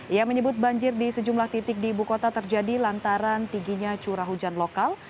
ia menyebut banjir di sejumlah titik di ibu kota terjadi lantaran tingginya curah hujan lokal